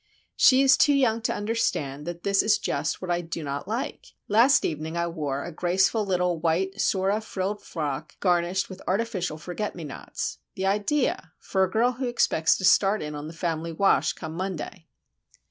She is too young to understand that that is just what I do not like. Last evening I wore a graceful little white surah frilled frock, garnished with artificial forget me nots. The idea! for a girl who expects to start in on the family wash come Monday.